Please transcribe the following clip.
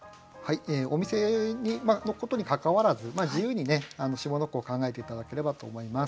お店のことにかかわらず自由に下の句を考えて頂ければと思います。